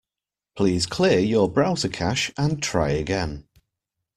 Please clear your browser cache and try again.